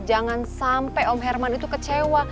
jangan sampai om herman itu kecewa